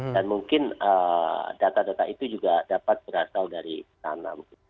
mungkin data data itu juga dapat berasal dari tanam